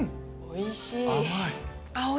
おいしい！